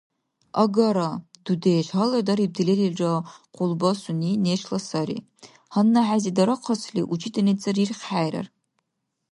Агара, дудеш, гьалар дарибти лерилра къулбасуни нешла сари, гьанна хӀези дарахъасли, учительница рирххӀерар.